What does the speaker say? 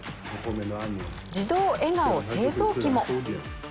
自動笑顔製造機も。